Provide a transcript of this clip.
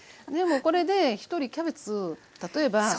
でもこれで１人キャベツ例えば。